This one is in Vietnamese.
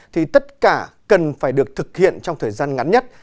thì tất cả cần phải được thực hiện trong thời gian ngắn nhất